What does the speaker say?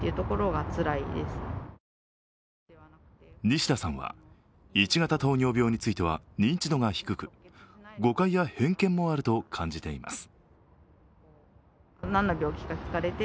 西田さんは、１型糖尿病については、認知度が低く誤解や偏見もあると感じています。